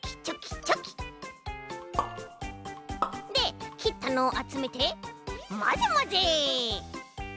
できったのをあつめてまぜまぜ。